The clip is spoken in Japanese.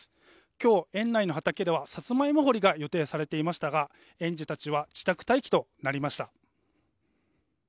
今日、園内の畑ではサツマイモ堀りが予定されていましたが園児たちは自宅待機となりました。